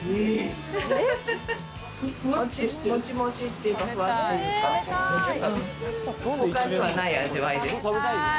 もちもちっていうか、フワッというか、他にはない味わいです。